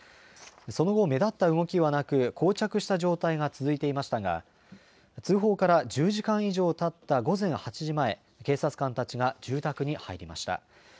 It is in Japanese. その後、目立った動きはなく、こう着した状態が続いていましたが、通報から１０時間以上たった午前８時前、警察官たちが住宅に入りました。